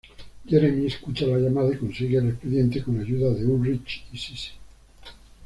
Jeremy escucha la llamada y consigue el expediente con ayuda de Ulrich y Sissi.